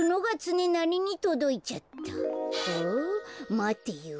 まてよ。